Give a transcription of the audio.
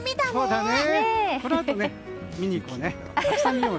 このあと、見に行こうね。